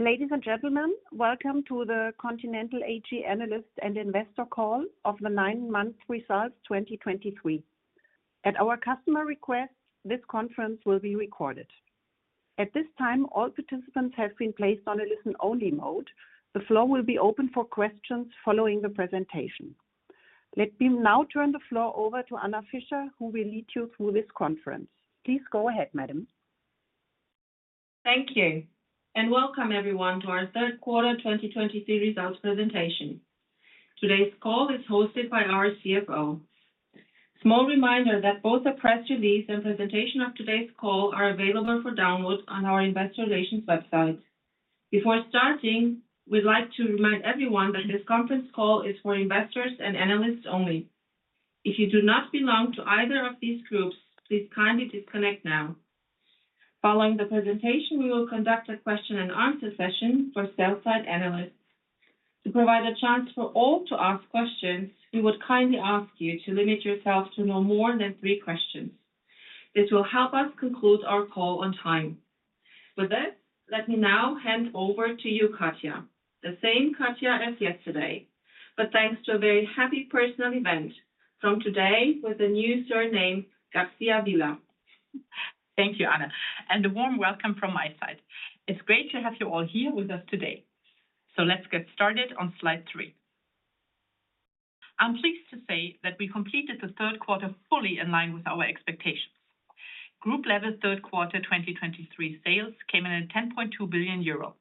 Ladies and gentlemen, welcome to the Continental AG Analyst and Investor Call of the nine-month results 2023. At our customer request, this conference will be recorded. At this time, all participants have been placed on a listen-only mode. The floor will be open for questions following the presentation. Let me now turn the floor over to Anna Fischer, who will lead you through this conference. Please go ahead, madam. Thank you, and welcome everyone to our third quarter 2023 results presentation. Today's call is hosted by our CFO. Small reminder that both the press release and presentation of today's call are available for download on our investor relations website. Before starting, we'd like to remind everyone that this conference call is for investors and analysts only. If you do not belong to either of these groups, please kindly disconnect now. Following the presentation, we will conduct a question and answer session for sell-side analysts. To provide a chance for all to ask questions, we would kindly ask you to limit yourself to no more than three questions. This will help us conclude our call on time. With that, let me now hand over to you, Katja. The same Katja as yesterday, but thanks to a very happy personal event, from today with a new surname, Garcia Vila. Thank you, Anna, and a warm welcome from my side. It's great to have you all here with us today. So let's get started on slide three. I'm pleased to say that we completed the third quarter fully in line with our expectations. Group level third quarter 2023 sales came in at 10.2 billion euro.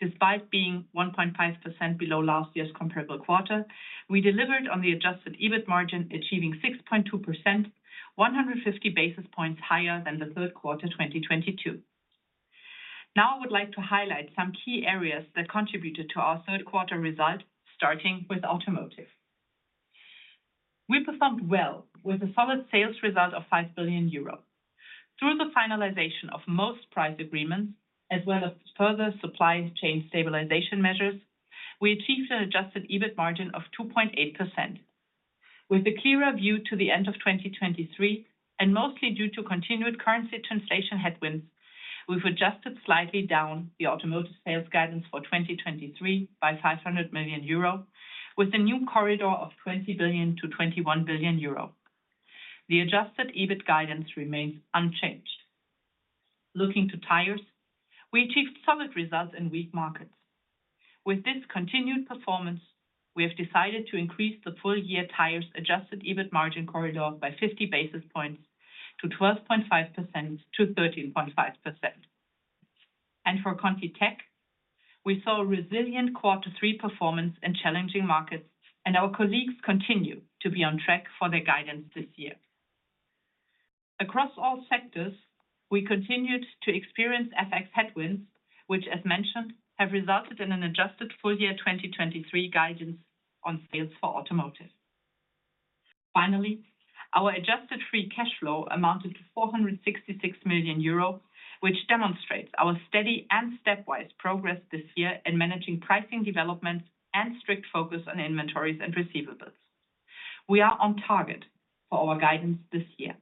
Despite being 1.5% below last year's comparable quarter, we delivered on the adjusted EBIT margin, achieving 6.2%, 150 basis points higher than the third quarter 2022. Now, I would like to highlight some key areas that contributed to our third quarter result, starting with Automotive. We performed well with a solid sales result of 5 billion euros. Through the finalization of most price agreements, as well as further supply chain stabilization measures, we achieved an Adjusted EBIT margin of 2.8%. With a clearer view to the end of 2023, and mostly due to continued currency translation headwinds, we've adjusted slightly down the automotive sales guidance for 2023 by 500 million euro, with a new corridor of 20 billion-21 billion euro. The Adjusted EBIT guidance remains unchanged. Looking to tires, we achieved solid results in weak markets. With this continued performance, we have decided to increase the full-year tires Adjusted EBIT margin corridor by 50 basis points to 12.5%-13.5%. For ContiTech, we saw a resilient quarter three performance in challenging markets, and our colleagues continue to be on track for their guidance this year. Across all sectors, we continued to experience FX headwinds, which, as mentioned, have resulted in an adjusted full-year 2023 guidance on sales for Automotive. Finally, our adjusted free cash flow amounted to 466 million euros, which demonstrates our steady and stepwise progress this year in managing pricing developments and strict focus on inventories and receivables. We are on target for our guidance this year.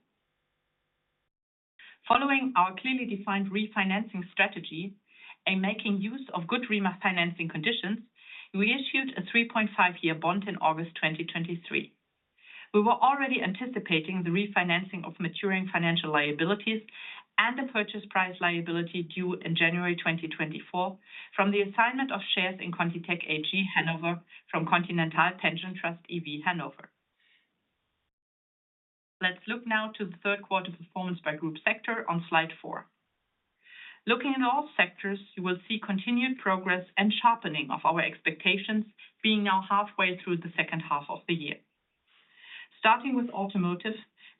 Following our clearly defined refinancing strategy and making use of good refinancing conditions, we issued a 3.5-year bond in August 2023. We were already anticipating the refinancing of maturing financial liabilities and the purchase price liability due in January 2024 from the assignment of shares in ContiTech AG, Hanover, from Continental Pension Trust e.V., Hanover. Let's look now to the third quarter performance by group sector on slide four. Looking at all sectors, you will see continued progress and sharpening of our expectations, being now halfway through the second half of the year. Starting with Automotive,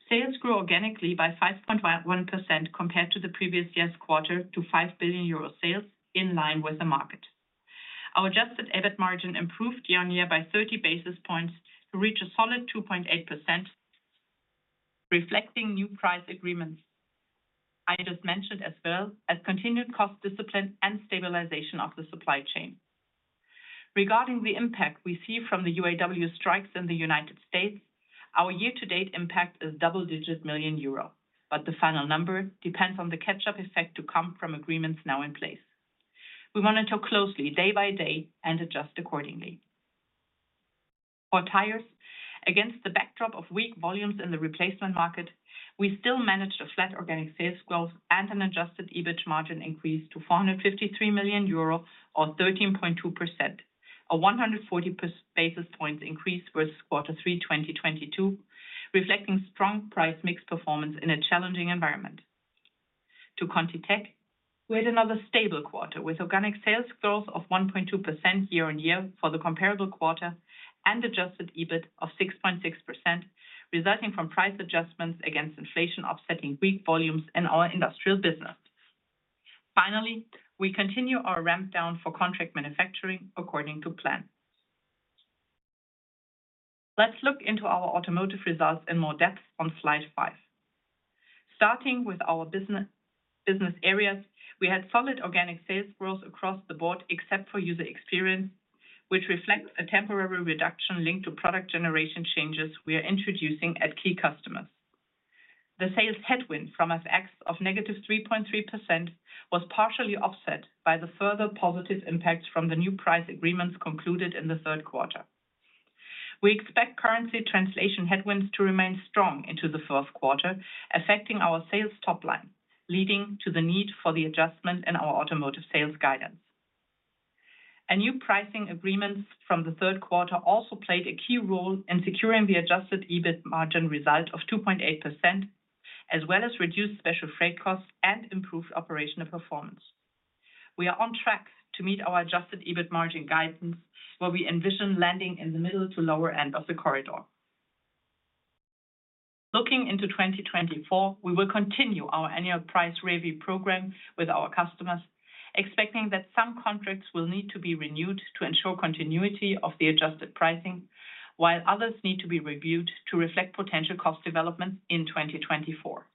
sales grew organically by 5.1% compared to the previous year's quarter, to 5 billion euro sales in line with the market. Our adjusted EBIT margin improved year-on-year by 30 basis points to reach a solid 2.8%, reflecting new price agreements I just mentioned as well as continued cost discipline and stabilization of the supply chain. Regarding the impact we see from the UAW strikes in the United States, our year-to-date impact is double-digit million EUR, but the final number depends on the catch-up effect to come from agreements now in place. We monitor closely day by day and adjust accordingly. For tires, against the backdrop of weak volumes in the replacement market, we still managed a flat organic sales growth and an adjusted EBIT margin increase to 453 million euro or 13.2%. A 140 basis points increase versus quarter three 2022, reflecting strong price mix performance in a challenging environment. To ContiTech, we had another stable quarter with organic sales growth of 1.2% year-on-year for the comparable quarter and adjusted EBIT of 6.6%, resulting from price adjustments against inflation, offsetting weak volumes in our industrial business. Finally, we continue our ramp down for contract manufacturing according to plan. Let's look into our automotive results in more depth on slide five. Starting with our business, business areas, we had solid organic sales growth across the board, except for user experience, which reflects a temporary reduction linked to product generation changes we are introducing at key customers. The sales headwind from FX of negative 3.3% was partially offset by the further positive impact from the new price agreements concluded in the third quarter. We expect currency translation headwinds to remain strong into the fourth quarter, affecting our sales top line, leading to the need for the adjustment in our automotive sales guidance. A new pricing agreements from the third quarter also played a key role in securing the Adjusted EBIT margin result of 2.8%, as well as reduced special freight costs and improved operational performance. We are on track to meet our Adjusted EBIT margin guidance, where we envision landing in the middle to lower end of the corridor. Looking into 2024, we will continue our annual price review program with our customers, expecting that some contracts will need to be renewed to ensure continuity of the adjusted pricing, while others need to be reviewed to reflect potential cost developments in 2024.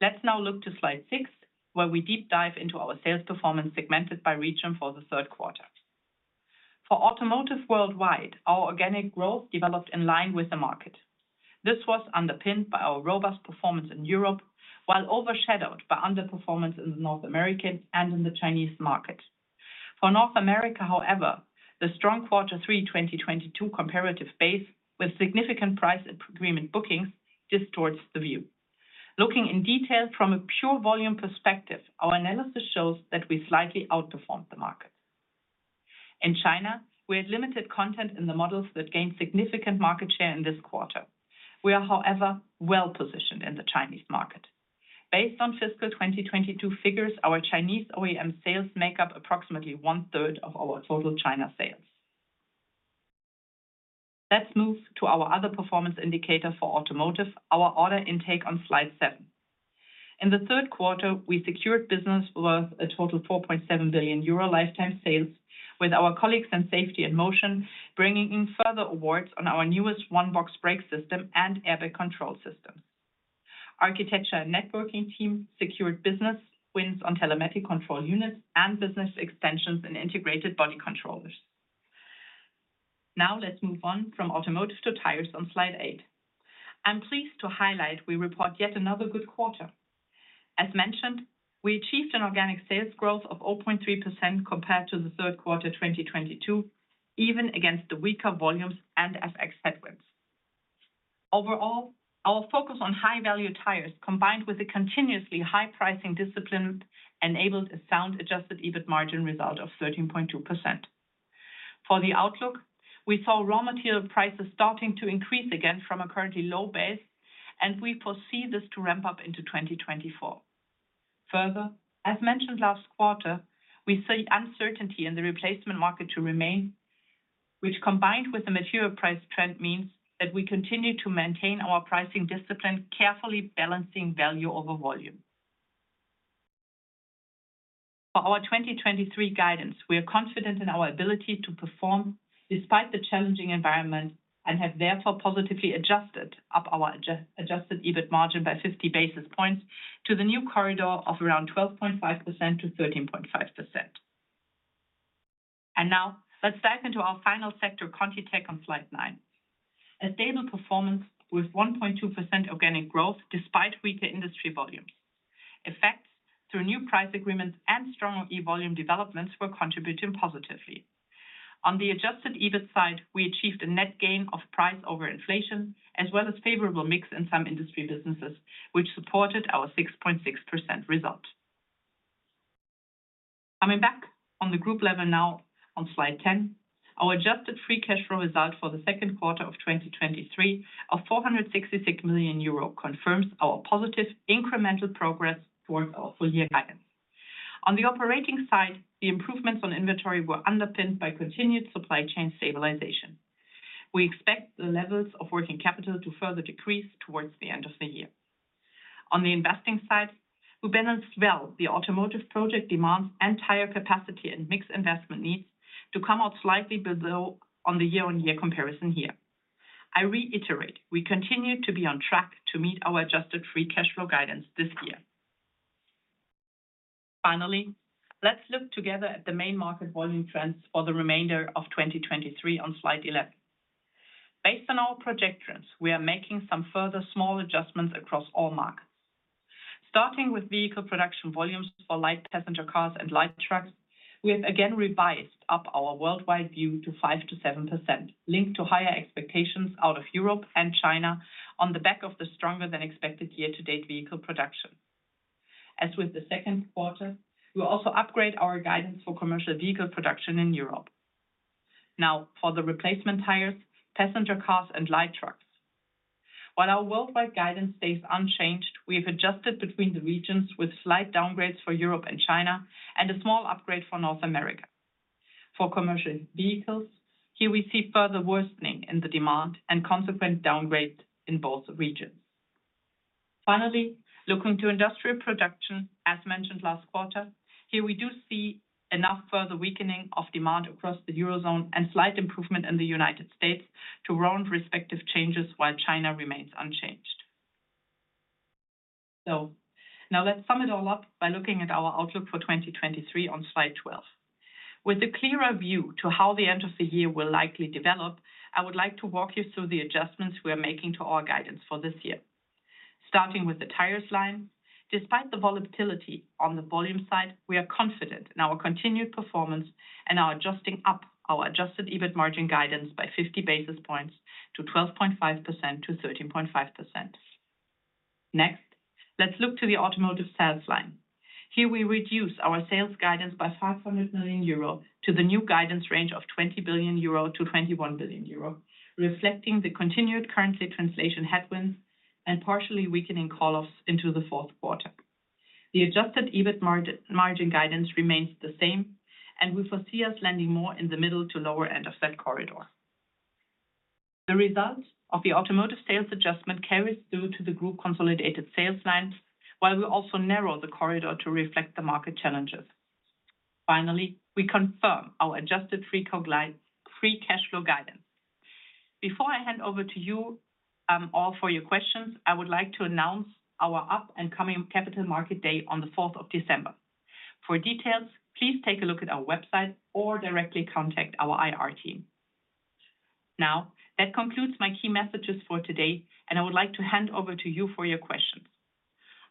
Let's now look to slide six, where we deep dive into our sales performance segmented by region for the third quarter. For Automotive worldwide, our organic growth developed in line with the market. This was underpinned by our robust performance in Europe, while overshadowed by underperformance in the North American and in the Chinese market. For North America, however, the strong quarter 3, 2022 comparative base, with significant price agreement bookings, distorts the view. Looking in detail from a pure volume perspective, our analysis shows that we slightly outperformed the market. In China, we had limited content in the models that gained significant market share in this quarter. We are, however, well-positioned in the Chinese market. Based on fiscal 2022 figures, our Chinese OEM sales make up approximately one third of our total China sales. Let's move to our other performance indicator for automotive, our order intake on slide seven. In the third quarter, we secured business worth a total 4.7 billion euro lifetime sales, with our colleagues in Safety and Motion, bringing in further awards on our newest one-box brake system and EPB control system. Architecture and Networking team secured business wins on telematic control units and business extensions in integrated body controllers. Now, let's move on from automotive to tires on slide eight. I'm pleased to highlight, we report yet another good quarter. As mentioned, we achieved an organic sales growth of 0.3% compared to the third quarter, 2022, even against the weaker volumes and FX headwinds. Overall, our focus on high-value tires, combined with a continuously high pricing discipline, enabled a sound Adjusted EBIT margin result of 13.2%. For the outlook, we saw raw material prices starting to increase again from a currently low base, and we foresee this to ramp up into 2024. Further, as mentioned last quarter, we see uncertainty in the replacement market to remain, which, combined with the material price trend, means that we continue to maintain our pricing discipline, carefully balancing value over volume. For our 2023 guidance, we are confident in our ability to perform despite the challenging environment and have therefore positively adjusted up our adjusted EBIT margin by 50 basis points to the new corridor of around 12.5%-13.5%. Now let's dive into our final sector ContiTech, on slide nine. A stable performance with 1.2% organic growth despite weaker industry volumes. Effects through new price agreements and strong E volume developments were contributing positively. On the adjusted EBIT side, we achieved a net gain of price over inflation, as well as favorable mix in some industry businesses, which supported our 6.6% result. Coming back on the group level now on slide 10, our adjusted free cash flow result for the second quarter of 2023 of 466 million euro confirms our positive incremental progress for our full year guidance. On the operating side, the improvements on inventory were underpinned by continued supply chain stabilization. We expect the levels of working capital to further decrease towards the end of the year. On the investing side, we balanced well the automotive project demands and higher capacity and mix investment needs to come out slightly below on the year-on-year comparison here. I reiterate, we continue to be on track to meet our adjusted free cash flow guidance this year. Finally, let's look together at the main market volume trends for the remainder of 2023 on slide 11. Based on our projections, we are making some further small adjustments across all markets. Starting with vehicle production volumes for light passenger cars and light trucks, we have again revised up our worldwide view to 5%-7%, linked to higher expectations out of Europe and China on the back of the stronger than expected year-to-date vehicle production. As with the second quarter, we'll also upgrade our guidance for commercial vehicle production in Europe. Now, for the replacement tires, passenger cars, and light trucks. While our worldwide guidance stays unchanged, we have adjusted between the regions with slight downgrades for Europe and China and a small upgrade for North America. For commercial vehicles, here we see further worsening in the demand and consequent downgrades in both regions. Finally, looking to industrial production, as mentioned last quarter, here we do see enough further weakening of demand across the Eurozone and slight improvement in the United States to round respective changes while China remains unchanged. So now let's sum it all up by looking at our outlook for 2023 on slide 12. With a clearer view to how the end of the year will likely develop, I would like to walk you through the adjustments we are making to our guidance for this year. Starting with the tires line, despite the volatility on the volume side, we are confident in our continued performance, and are adjusting up our adjusted EBIT margin guidance by 50 basis points to 12.5%-13.5%. Next, let's look to the automotive sales line. Here we reduce our sales guidance by 500 million euro to the new guidance range of 20 billion-21 billion euro, reflecting the continued currency translation headwinds and partially weakening call-offs into the fourth quarter. The adjusted EBIT margin guidance remains the same, and we foresee us landing more in the middle to lower end of that corridor. The results of the automotive sales adjustment carries through to the group consolidated sales lines, while we also narrow the corridor to reflect the market challenges. Finally, we confirm our adjusted free cash flow guidance. Before I hand over to you all for your questions, I would like to announce our upcoming Capital Markets Day on the fourth of December. For details, please take a look at our website or directly contact our IR team. Now, that concludes my key messages for today, and I would like to hand over to you for your questions.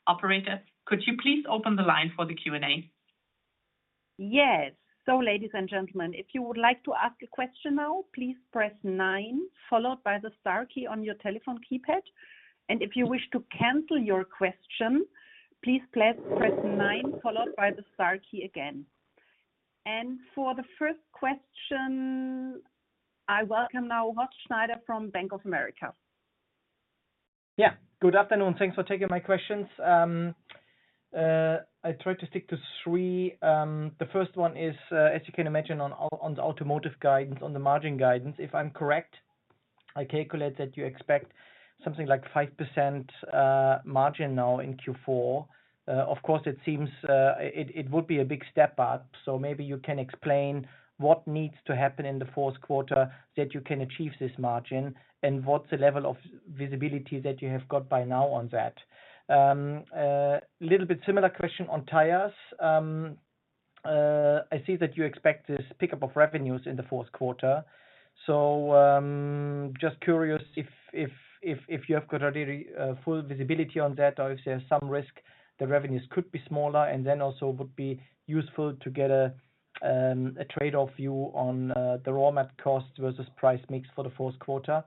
Operator, could you please open the line for the Q&A? Yes. So ladies and gentlemen, if you would like to ask a question now please press nine, followed by the star key on your telephone keypad. And if you wish to cancel your question please press nine, followed by the star key again. And for the first question, I welcome now Horst Schneider from Bank of America. Yeah. Good afternoon. Thanks for taking my questions. I try to stick to three. The first one is, as you can imagine, on the automotive guidance, on the margin guidance, if I'm correct, I calculate that you expect something like 5% margin now in Q4. Of course, it seems it would be a big step up. So maybe you can explain what needs to happen in the fourth quarter that you can achieve this margin, and what's the level of visibility that you have got by now on that? A little bit similar question on tires. I see that you expect this pickup of revenues in the fourth quarter. So, just curious if you have got already full visibility on that, or if there's some risk the revenues could be smaller, and then also would be useful to get a trade-off view on the raw mat cost versus price mix for the fourth quarter.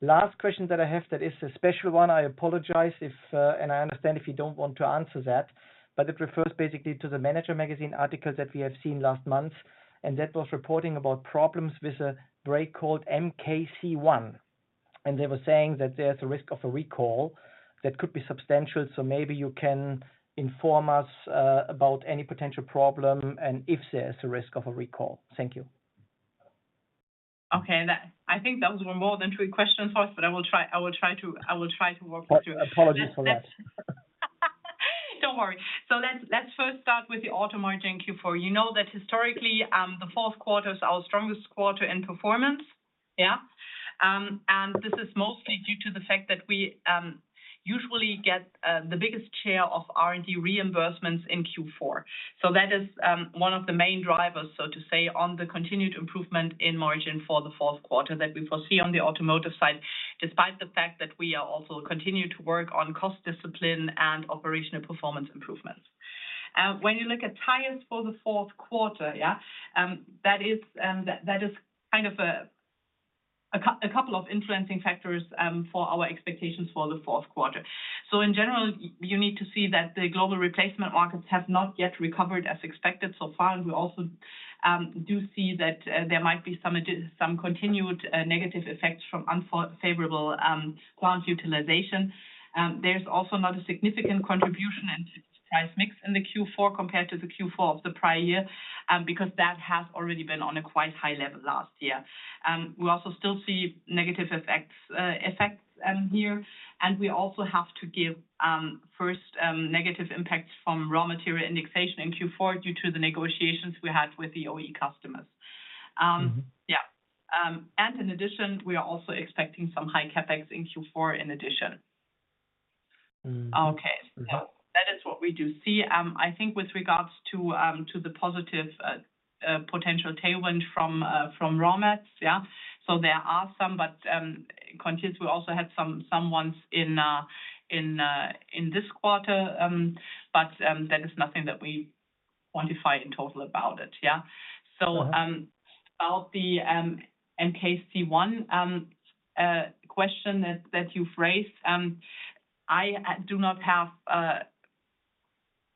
Last question that I have, that is a special one, I apologize if, I understand if you don't want to answer that, but it refers basically to the Manager Magazin article that we have seen last month, and that was reporting about problems with a brake called MK C1. And they were saying that there's a risk of a recall that could be substantial, so maybe you can inform us about any potential problem and if there is a risk of a recall. Thank you. Okay, I think those were more than three questions for us, but I will try to work with you. Apologies for that. Don't worry. So let's first start with the auto margin Q4. You know that historically, the fourth quarter is our strongest quarter in performance. Yeah. And this is mostly due to the fact that we usually get the biggest share of R&D reimbursements in Q4. So that is one of the main drivers, so to say, on the continued improvement in margin for the fourth quarter, that we foresee on the automotive side, despite the fact that we are also continue to work on cost discipline and operational performance improvements. When you look at tires for the fourth quarter, yeah, that is kind of a couple of influencing factors for our expectations for the fourth quarter. So in general, you need to see that the global replacement markets have not yet recovered as expected so far, and we also do see that there might be some continued negative effects from unfavorable plant utilization. There's also not a significant contribution and price mix in the Q4 compared to the Q4 of the prior year, because that has already been on a quite high level last year. We also still see negative effects here, and we also have to give first negative impacts from raw material indexation in Q4, due to the negotiations we had with the OE customers. Mm-hmm. Yeah. And in addition, we are also expecting some high CapEx in Q4, in addition. Mm. Okay. Mm-hmm. So that is what we do see. I think with regards to the positive potential tailwind from raw mats, yeah. So there are some, but Continental, we also had some headwinds in this quarter. But that is nothing that we quantify in total about it. Yeah. Uh-huh. About the MK C1 question that you've raised, I do not have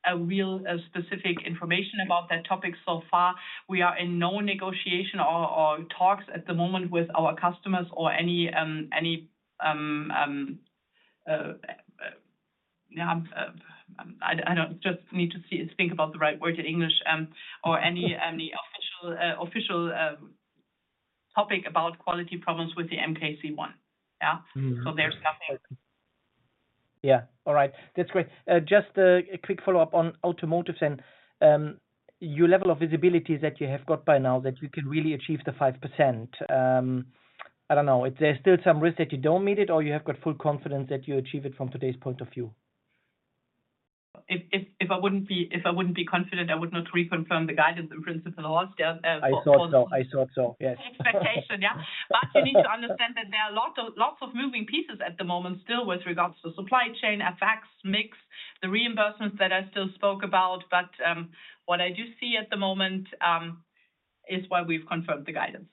a real specific information about that topic so far. We are in no negotiation or talks at the moment with our customers or any official topic about quality problems with the MK C1. Yeah. Mm-hmm. There's nothing. Yeah. All right. That's great. Just a quick follow-up on automotives and your level of visibility that you have got by now, that you can really achieve the 5%. I don't know, is there still some risk that you don't meet it, or you have got full confidence that you achieve it from today's point of view? If I wouldn't be confident, I would not reconfirm the guidance in principle at all. Yeah. I thought so. I thought so, yes. Expectation, yeah. But you need to understand that there are lots of, lots of moving pieces at the moment still with regards to supply chain, effects, mix, the reimbursements that I still spoke about. But, what I do see at the moment, is why we've confirmed the guidance.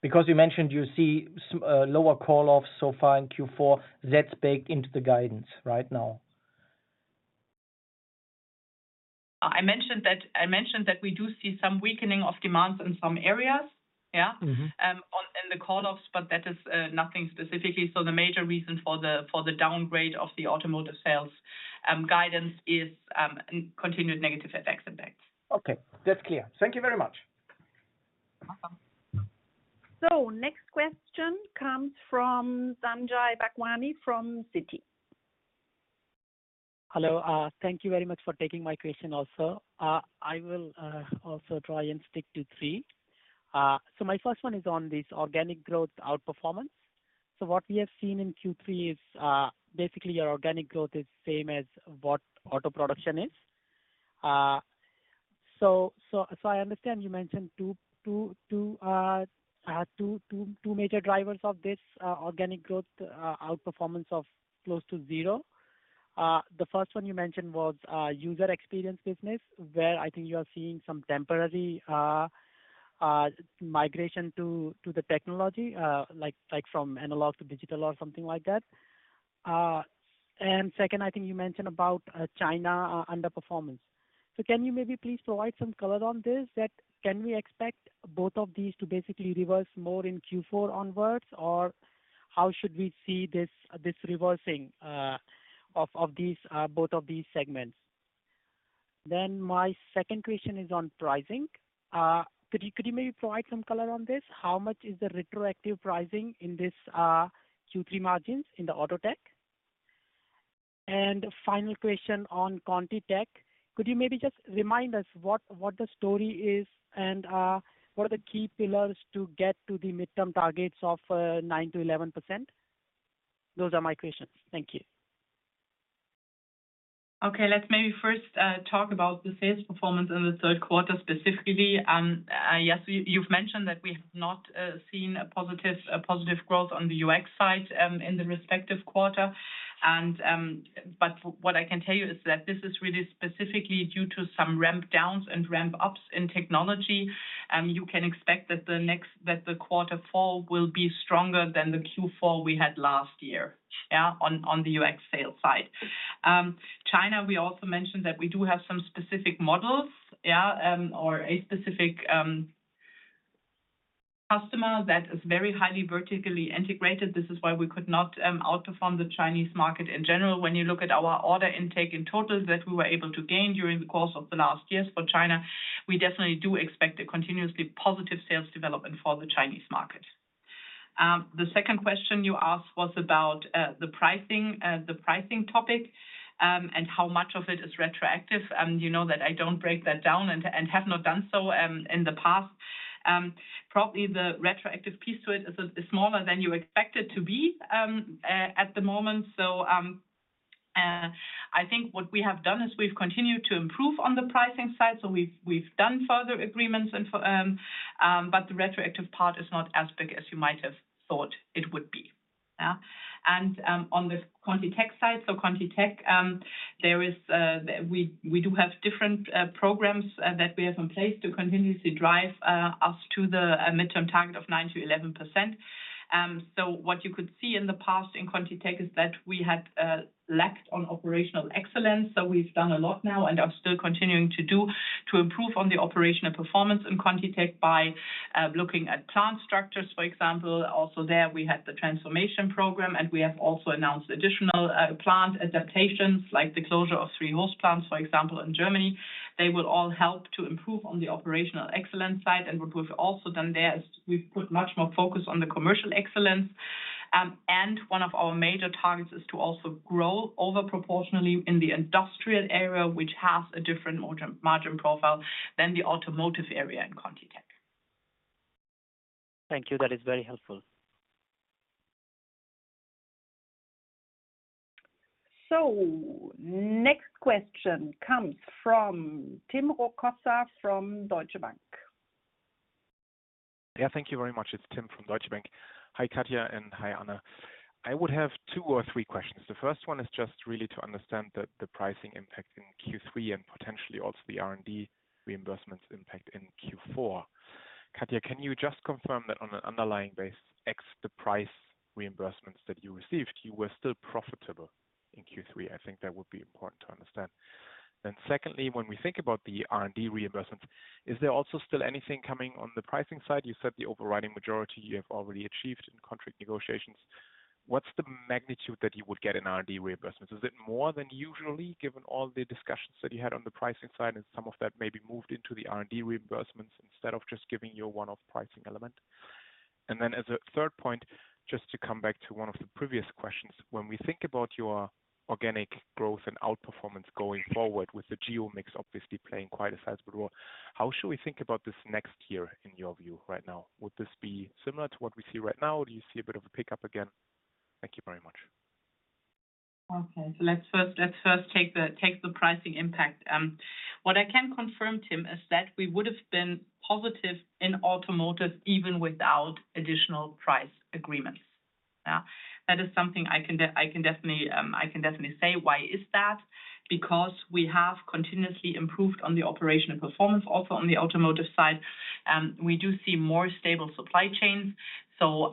Because you mentioned you see lower call-offs so far in Q4, that's baked into the guidance right now? I mentioned that, I mentioned that we do see some weakening of demand in some areas. Yeah. Mm-hmm. On in the call-offs, but that is nothing specifically. So the major reason for the downgrade of the automotive sales guidance is continued negative effects impact. Okay, that's clear. Thank you very much. Welcome. Next question comes from Sanjay Bhagwani from Citi. Hello. Thank you very much for taking my question also. I will also try and stick to three. So my first one is on this organic growth outperformance. So what we have seen in Q3 is basically your organic growth is same as what auto production is. I understand you mentioned two major drivers of this organic growth outperformance of close to 0. The first one you mentioned was user experience business, where I think you are seeing some temporary migration to the technology, like from analog to digital or something like that. And second, I think you mentioned about China underperformance. So can you maybe please provide some color on this, that can we expect both of these to basically reverse more in Q4 onwards? Or how should we see this reversing of these both of these segments? Then my second question is on pricing. Could you maybe provide some color on this? How much is the retroactive pricing in this Q3 margins in the auto tech? And final question on ContiTech. Could you maybe just remind us what the story is, and what are the key pillars to get to the midterm targets of 9%-11%? Those are my questions. Thank you. Okay, let's maybe first talk about the sales performance in the third quarter specifically. Yes, you've mentioned that we have not seen a positive growth on the UX side in the respective quarter. But what I can tell you is that this is really specifically due to some ramp downs and ramp ups in technology. You can expect that the quarter four will be stronger than the Q4 we had last year on the UX sales side. China, we also mentioned that we do have some specific models or a specific customer that is very highly vertically integrated. This is why we could not outperform the Chinese market in general. When you look at our order intake in total, that we were able to gain during the course of the last years for China, we definitely do expect a continuously positive sales development for the Chinese market. The second question you asked was about the pricing, the pricing topic, and how much of it is retroactive. You know that I don't break that down and have not done so in the past. Probably the retroactive piece to it is smaller than you expect it to be at the moment. I think what we have done is we've continued to improve on the pricing side, so we've done further agreements and for, but the retroactive part is not as big as you might have thought it would be. Yeah. On the ContiTech side, so ContiTech, there is, we do have different programs that we have in place to continuously drive us to the midterm target of 9%-11%. So what you could see in the past in ContiTech is that we had lacked on operational excellence, so we've done a lot now and are still continuing to do to improve on the operational performance in ContiTech by looking at plant structures, for example. Also there, we had the transformation program, and we have also announced additional plant adaptations, like the closure of three hose plants, for example, in Germany. They will all help to improve on the operational excellence side. What we've also done there is, we've put much more focus on the commercial excellence. One of our major targets is to also grow over proportionally in the industrial area, which has a different margin, margin profile than the automotive area in ContiTech. Thank you. That is very helpful. Next question comes from Tim Rokossa from Deutsche Bank. Yeah, thank you very much. It's Tim from Deutsche Bank. Hi Katja, and hi Anna. I would have two or three questions. The first one is just really to understand the, the pricing impact in Q3 and potentially also the R&D reimbursements impact in Q4. Katja, can you just confirm that on an underlying base, ex the price reimbursements that you received, you were still profitable in Q3? I think that would be important to understand. Then secondly, when we think about the R&D reimbursements, is there also still anything coming on the pricing side? You said the overriding majority you have already achieved in contract negotiations. What's the magnitude that you would get in R&D reimbursements? Is it more than usually, given all the discussions that you had on the pricing side, and some of that may be moved into the R&D reimbursements instead of just giving you a one-off pricing element? And then as a third point- Just to come back to one of the previous questions. When we think about your organic growth and outperformance going forward, with the geo mix obviously playing quite a sizable role, how should we think about this next year in your view right now? Would this be similar to what we see right now, or do you see a bit of a pickup again? Thank you very much. Okay, so let's first take the pricing impact. What I can confirm, Tim, is that we would have been positive in automotive even without additional price agreements. Now, that is something I can definitely say. Why is that? Because we have continuously improved on the operational performance, also on the automotive side, and we do see more stable supply chains. So,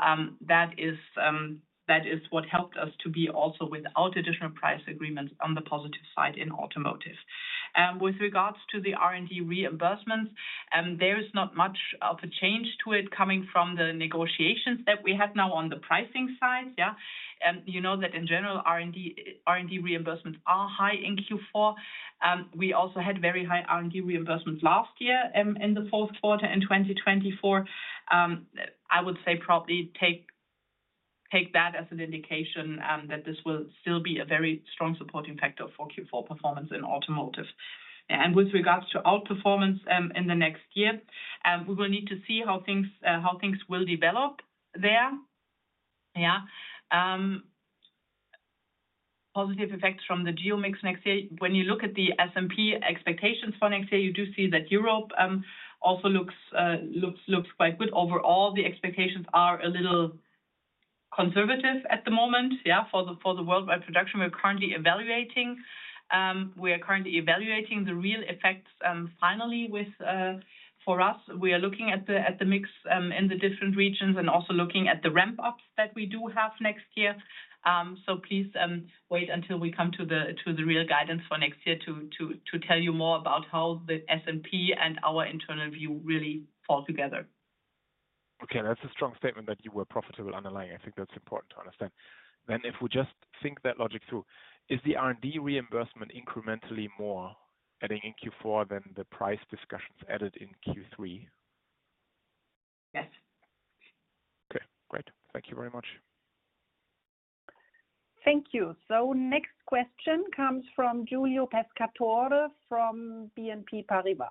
that is what helped us to be also without additional price agreements on the positive side in automotive. With regards to the R&D reimbursements, there is not much of a change to it coming from the negotiations that we have now on the pricing side, yeah. You know that in general, R&D reimbursements are high in Q4. We also had very high R&D reimbursements last year, in the fourth quarter in 2024. I would say probably take that as an indication that this will still be a very strong support impactor for Q4 performance in automotive. And with regards to outperformance, in the next year, we will need to see how things will develop there. Yeah. Positive effects from the geo mix next year. When you look at the S&P expectations for next year, you do see that Europe also looks quite good. Overall, the expectations are a little conservative at the moment, yeah, for the worldwide production. We're currently evaluating. We are currently evaluating the real effects, finally, with for us. We are looking at the mix in the different regions and also looking at the ramp-ups that we do have next year. So please wait until we come to the real guidance for next year to tell you more about how the S&P and our internal view really fall together. Okay, that's a strong statement that you were profitable underlying. I think that's important to understand. Then if we just think that logic through, is the R&D reimbursement incrementally more, adding in Q4 than the price discussions added in Q3? Yes. Okay, great. Thank you very much. Thank you. So next question comes from Giulio Pescatore, from BNP Paribas.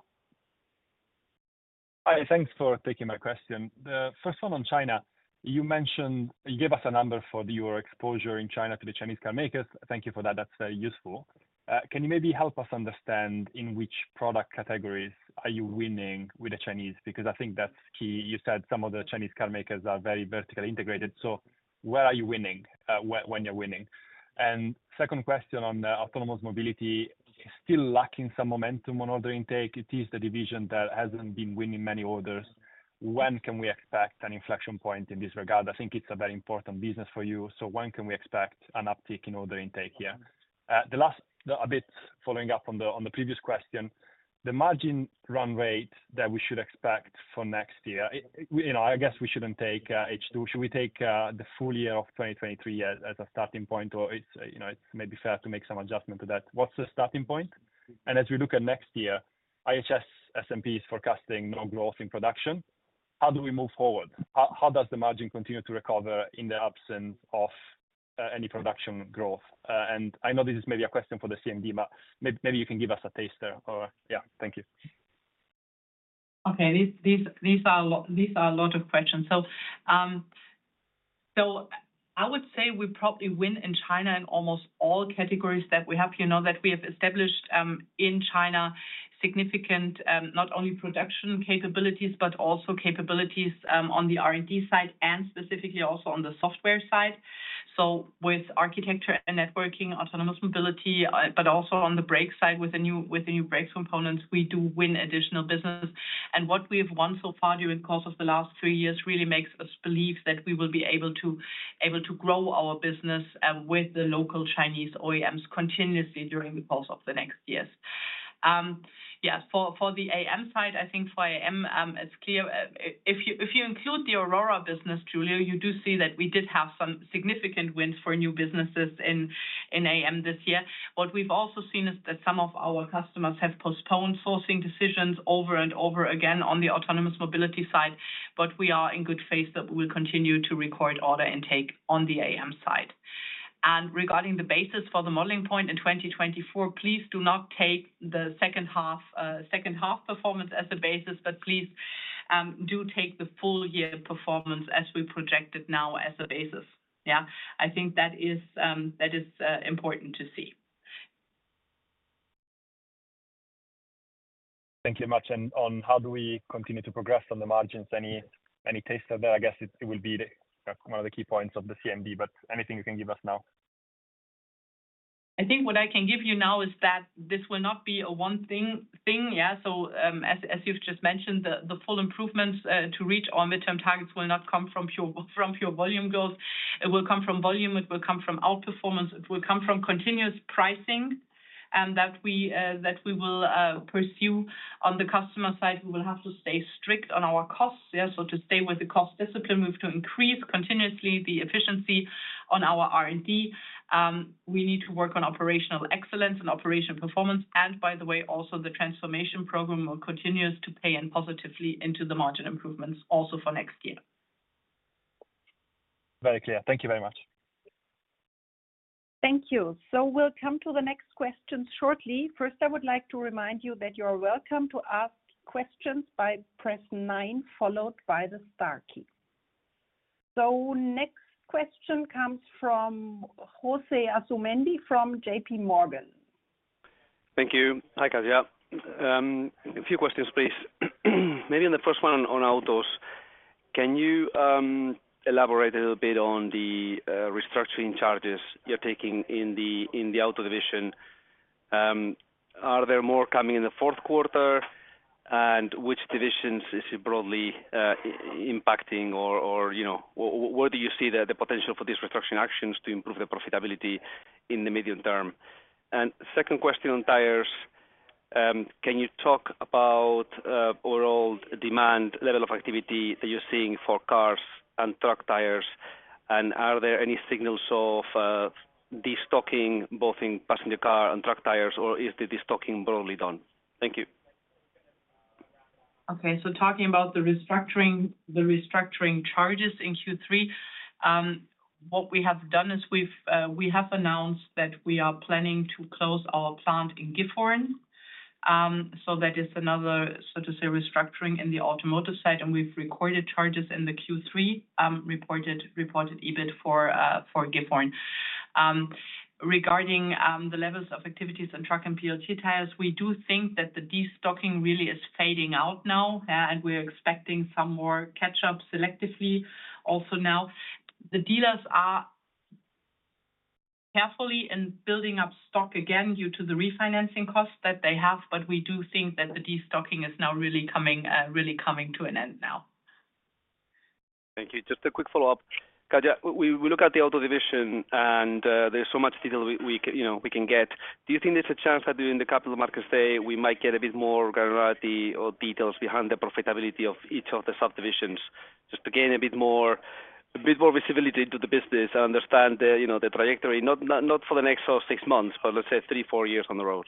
Hi, thanks for taking my question. The first one on China, you mentioned you gave us a number for your exposure in China to the Chinese car makers. Thank you for that. That's very useful. Can you maybe help us understand in which product categories are you winning with the Chinese? Because I think that's key. You said some of the Chinese car makers are very vertically integrated, so where are you winning, when, when you're winning? And second question on the Autonomous Mobility, still lacking some momentum on order intake. It is the division that hasn't been winning many orders. When can we expect an inflection point in this regard? I think it's a very important business for you. So when can we expect an uptick in order intake here? The last, a bit following up on the previous question, the margin run rate that we should expect for next year, you know, I guess we shouldn't take H2. Should we take the full year of 2023 as a starting point, or it's, you know, it may be fair to make some adjustment to that. What's the starting point? And as we look at next year, IHS S&P is forecasting no growth in production. How do we move forward? How does the margin continue to recover in the absence of any production growth? And I know this is maybe a question for the CMD, but maybe you can give us a taste there or, Yeah, thank you. Okay. These are a lot of questions. So I would say we probably win in China in almost all categories that we have. You know, that we have established in China significant not only production capabilities, but also capabilities on the R&D side and specifically also on the software side. So with architecture and networking, Autonomous Mobility, but also on the brake side with the new brake components, we do win additional business. And what we have won so far during the course of the last three years really makes us believe that we will be able to grow our business with the local Chinese OEMs continuously during the course of the next years. Yeah, for the AM side, I think for AM, it's clear if you include the Aurora business, Giulio, you do see that we did have some significant wins for new businesses in AM this year. What we've also seen is that some of our customers have postponed sourcing decisions over and over again on the Autonomous Mobility side, but we are in good faith that we will continue to record order intake on the AM side. And regarding the basis for the modeling point in 2024, please do not take the second half performance as a basis, but please do take the full year performance as we project it now as a basis. Yeah, I think that is important to see. Thank you much. And how do we continue to progress on the margins? Any taste of that? I guess it will be one of the key points of the CMD, but anything you can give us now? I think what I can give you now is that this will not be a one thing. So, as you've just mentioned, the full improvements to reach our midterm targets will not come from pure volume growth. It will come from volume, it will come from outperformance, it will come from continuous pricing that we will pursue. On the customer side, we will have to stay strict on our costs. So to stay with the cost discipline, we have to increase continuously the efficiency on our R&D. We need to work on operational excellence and operational performance. And by the way, also the transformation program will continue to pay in positively into the margin improvements also for next year. Very clear. Thank you very much. Thank you. We'll come to the next question shortly. First, I would like to remind you that you are welcome to ask questions by press nine, followed by the star key. Next question comes from José Asumendi, from JP Morgan. Thank you. Hi, Katja. A few questions, please. Maybe in the first one on autos, can you elaborate a little bit on the restructuring charges you're taking in the auto division? Are there more coming in the fourth quarter? And which divisions is it broadly impacting or, you know, where do you see the potential for these restructuring actions to improve the profitability in the medium term? And second question on tires, can you talk about overall demand, level of activity that you're seeing for cars and truck tires? And are there any signals of destocking, both in passenger car and truck tires, or is the destocking broadly done? Thank you. Okay. So talking about the restructuring, the restructuring charges in Q3, what we have done is we have announced that we are planning to close our plant in Gifhorn. So that is another, so to say, restructuring in the automotive side, and we've recorded charges in the Q3 reported EBIT for Gifhorn. Regarding the levels of activities in truck and PLT tires, we do think that the destocking really is fading out now, and we're expecting some more catch-up selectively. Also now, the dealers are carefully in building up stock again due to the refinancing costs that they have, but we do think that the destocking is now really coming to an end now. Thank you. Just a quick follow-up. Katja, we look at the auto division, and there's so much detail we can get, you know. Do you think there's a chance that during the Capital Markets Day, we might get a bit more granularity or details behind the profitability of each of the subdivisions, just to gain a bit more visibility into the business and understand the trajectory, you know, not for the next six months, but let's say three, four years on the road?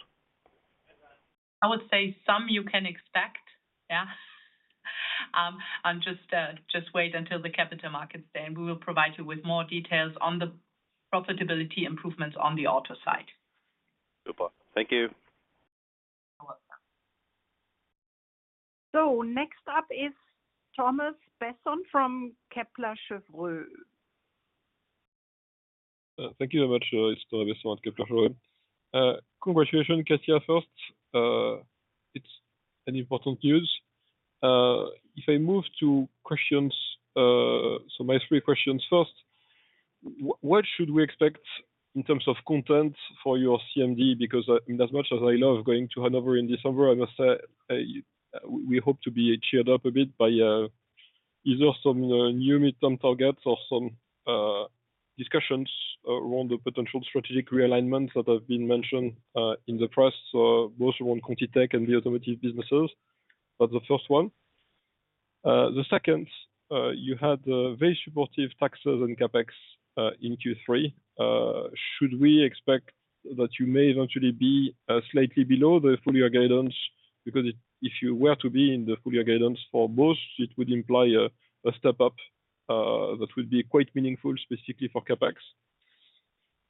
I would say some you can expect. Yeah. And just, just wait until the Capital Markets Day, and we will provide you with more details on the profitability improvements on the auto side. Super. Thank you. You're welcome. Next up is Thomas Besson from Kepler Cheuvreux. Thank you very much. It's Thomas Besson, Kepler Cheuvreux. Congratulations, Katja, first. It's an important news. If I move to questions, so my three questions. First, what should we expect in terms of content for your CMD? Because, as much as I love going to Hanover in December, I must say, we hope to be cheered up a bit by either some new midterm targets or some discussions around the potential strategic realignments that have been mentioned in the press, both around ContiTech and the automotive businesses. That's the first one. The second, you had very supportive taxes and CapEx in Q3. Should we expect that you may eventually be slightly below the full-year guidance? Because if you were to be in the full-year guidance for both, it would imply a step-up that would be quite meaningful, specifically for CapEx.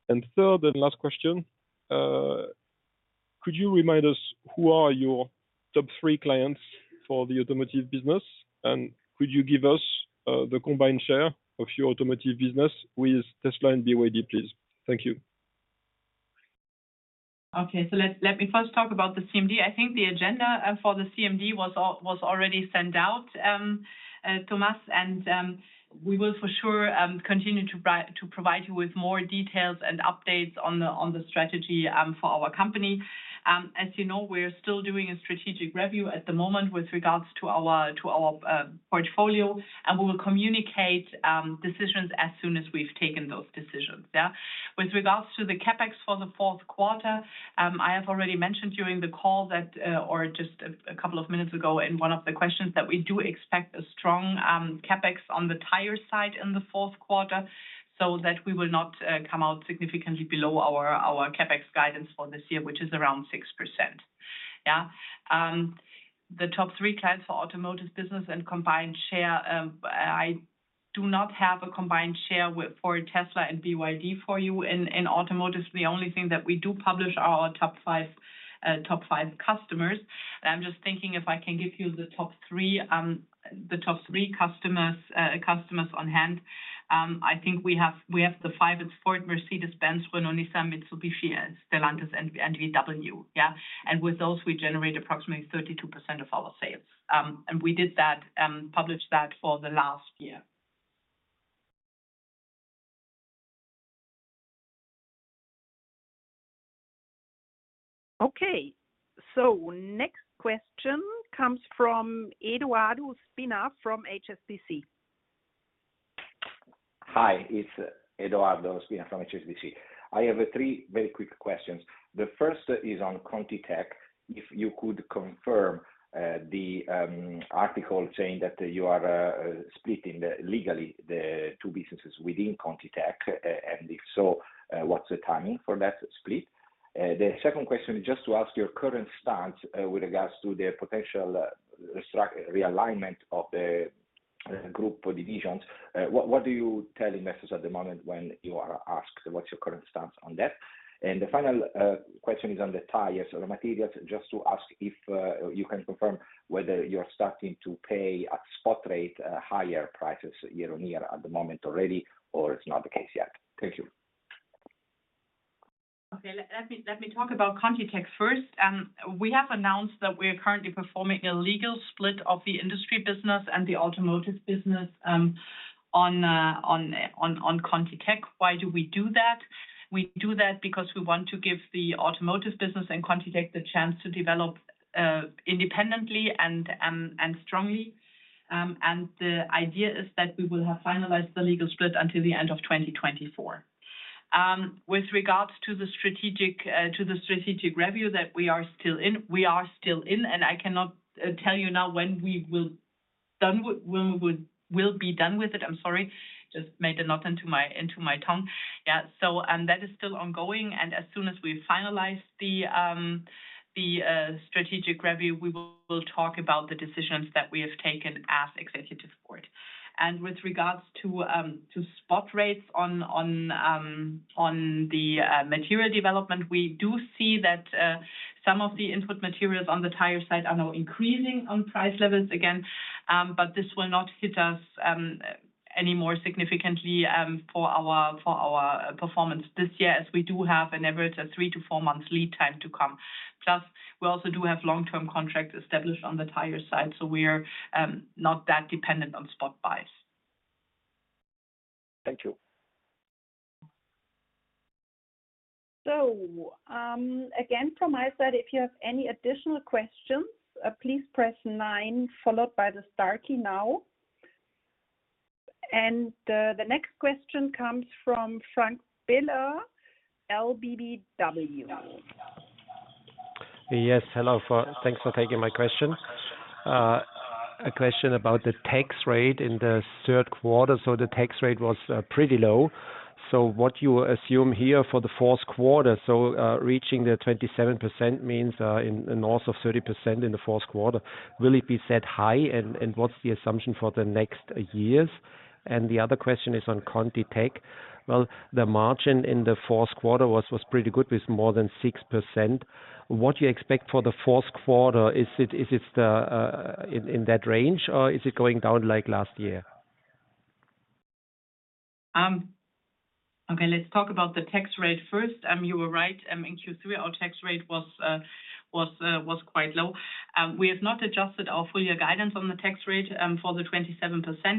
And third and last question, could you remind us who are your top three clients for the automotive business? And could you give us the combined share of your automotive business with Tesla and BYD, please? Thank you. Okay, so let me first talk about the CMD. I think the agenda for the CMD was already sent out, Thomas, and we will for sure continue to provide you with more details and updates on the strategy for our company. As you know, we're still doing a strategic review at the moment with regards to our portfolio, and we will communicate decisions as soon as we've taken those decisions. Yeah. With regards to the CapEx for the fourth quarter, I have already mentioned during the call that, or just a couple of minutes ago in one of the questions, that we do expect a strong CapEx on the tire side in the fourth quarter, so that we will not come out significantly below our CapEx guidance for this year, which is around 6%. Yeah. The top three clients for automotive business and combined share, I do not have a combined share with, for Tesla and BYD for you. In automotive, the only thing that we do publish are our top five top five customers. I'm just thinking if I can give you the top three, the top three customers customers on hand. I think we have, we have the five. It's Ford, Mercedes-Benz, Renault-Nissan, Mitsubishi, Stellantis, and VW. Yeah. With those, we generate approximately 32% of our sales. We did that, published that for the last year. Okay. Next question comes from Edoardo Spina from HSBC. Hi, it's Edoardo Spina from HSBC. I have three very quick questions. The first is on ContiTech. If you could confirm the article saying that you are splitting legally the two businesses within ContiTech, and if so, what's the timing for that split? The second question is just to ask your current stance with regards to the potential realignment of the group divisions. What do you tell investors at the moment when you are asked? What's your current stance on that? And the final question is on the tires or the materials, just to ask if you can confirm whether you're starting to pay a spot rate higher prices year-on-year at the moment already, or it's not the case yet? Thank you. Okay, let me talk about ContiTech first. We have announced that we are currently performing a legal split of the industry business and the automotive business, on ContiTech. Why do we do that? We do that because we want to give the automotive business and ContiTech the chance to develop, independently and, and strongly. And the idea is that we will have finalized the legal split until the end of 2024. With regards to the strategic, to the strategic review that we are still in, we are still in, and I cannot tell you now when we will be done with it. I'm sorry, just made a knot in my tongue. Yeah, so, and that is still ongoing, and as soon as we finalize the strategic review, we will talk about the decisions that we have taken as executive board. And with regards to spot rates on material development, we do see that some of the input materials on the tire side are now increasing on price levels again. But this will not hit us any more significantly for our performance this year, as we do have an average of three-four months lead time to come. Plus, we also do have long-term contracts established on the tire side, so we are not that dependent on spot buys. Thank you. Again, from my side, if you have any additional questions, please press nine followed by the star key now. The next question comes from Frank Biller, LBBW. Yes, hello. Thanks for taking my question. A question about the tax rate in the third quarter. So the tax rate was pretty low. So what you assume here for the fourth quarter, so, reaching the 27% means in north of 30% in the fourth quarter, will it be set high, and what's the assumption for the next years? And the other question is on ContiTech. Well, the margin in the fourth quarter was pretty good, with more than 6%. What do you expect for the fourth quarter? Is it in that range, or is it going down like last year? Okay, let's talk about the tax rate first. You are right, in Q3, our tax rate was quite low. We have not adjusted our full year guidance on the tax rate, for the 27%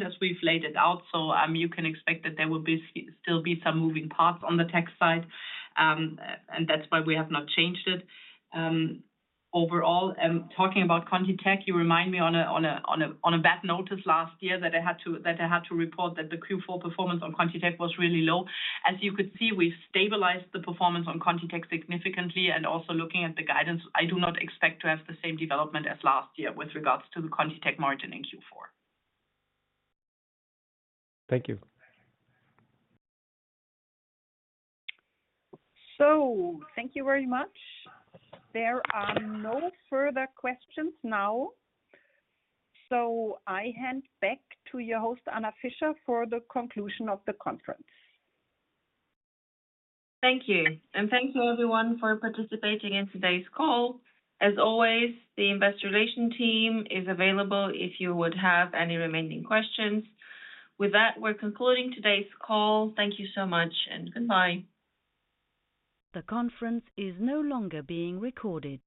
as we've laid it out. So, you can expect that there will be still some moving parts on the tax side. And that's why we have not changed it. Overall, talking about ContiTech, you remind me on a bad notice last year, that I had to report that the Q4 performance on ContiTech was really low. As you could see, we've stabilized the performance on ContiTech significantly, and also looking at the guidance, I do not expect to have the same development as last year with regards to the ContiTech margin in Q4. Thank you. Thank you very much. There are no further questions now, so I hand back to your host, Anna Fischer, for the conclusion of the conference. Thank you. Thank you everyone for participating in today's call. As always, the investor relation team is available if you would have any remaining questions. With that, we're concluding today's call. Thank you so much and goodbye. The conference is no longer being recorded.